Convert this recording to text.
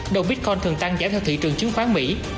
đồng bitcoin thường tăng giảm theo thị trường chứng khoán mỹ